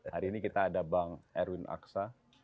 hari ini kita ada bang erwin aksa